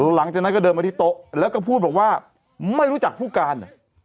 หลังจากนั้นก็เดินมาที่โต๊ะแล้วก็พูดบอกว่าไม่รู้จักผู้การ